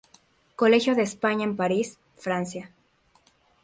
Colegio de España en París, Francia.